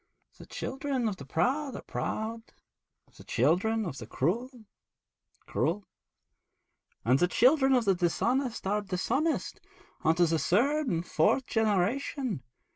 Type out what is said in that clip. The children of the proud are proud; the children of the cruel, cruel; and the children of the dishonest are dishonest, unto the third and fourth generation.